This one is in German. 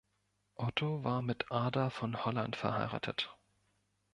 Otto war mit Ada von Holland verheiratet.